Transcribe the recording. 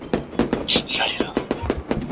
ستوري دې هم بيا نا مراده اوسي